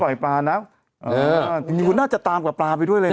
ปล่อยปลานะเออนี่คุณน่าจะตามกับปลาไปด้วยเลยนะ